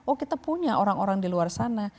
oh kita punya orang orang di luar sana